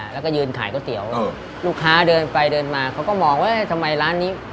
แล้วก็ยืนขายก๋วยเตี๋ยวลูกค้าเดินไปเดินมาเขาก็มองว่าทำไมร้านนี้